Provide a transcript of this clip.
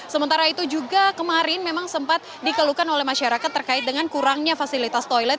sementara itu juga kemarin memang sempat dikeluhkan oleh masyarakat terkait dengan kurangnya fasilitas toilet